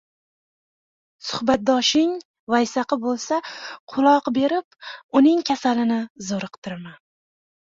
Suhbatdoshing vaysaqi bo‘lsa quloq berib, uning kasalini zo‘riqtirma.